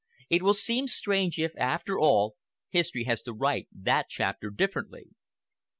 It will seem strange if, after all, history has to write that chapter differently."